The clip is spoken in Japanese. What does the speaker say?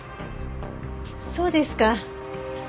そうですか。